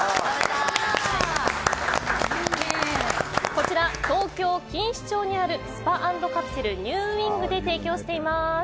こちら東京・錦糸町にあるスパ＆カプセルニューウィングで提供しています。